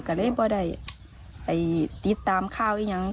ก็เลยบอกได้ไปติดตามข้าวอย่างนั้น